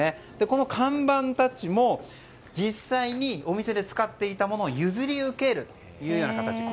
この看板たちも実際にお店で使っていたものを譲り受けるというような形で。